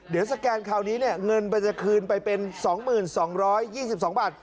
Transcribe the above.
เดี๋ยวสแกนคราวนี้เนี่ยเงินมันจะคืนไปเป็น๒๒๒บาท